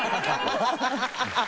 ハハハハ！